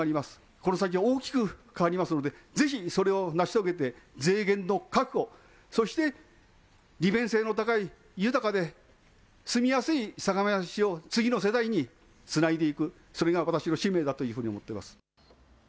この先、大きく変わりますのでぜひそれを成し遂げて税源の確保、そして利便性の高い豊かで住みやすい相模原市を次の世代につないでいく、それが私の使命だというふうに思ってます。